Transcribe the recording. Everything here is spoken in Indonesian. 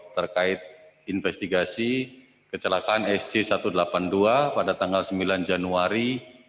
terkait investigasi kecelakaan sj satu ratus delapan puluh dua pada tanggal sembilan januari dua ribu dua puluh